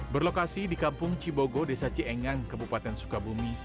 berlokasi di kampung cibogo desa cienang kebupaten sukabumi